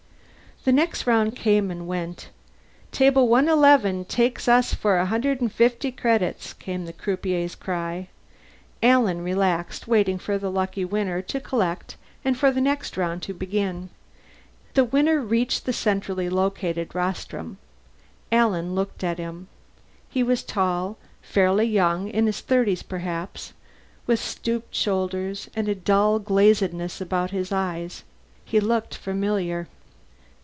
The next round came and went. "Table 111 takes us for a hundred fifty credits," came the croupier's cry. Alan relaxed, waiting for the lucky winner to collect and for the next round to begin. The winner reached the centrally located rostrum. Alan looked at him. He was tall, fairly young in his thirties, perhaps with stooped shoulders and a dull glazedness about his eyes. He looked familiar.